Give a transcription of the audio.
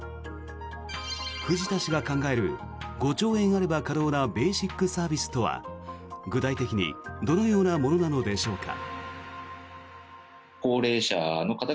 藤田氏が考える５兆円あれば可能なベーシックサービスとは具体的にどのようなものなのでしょうか。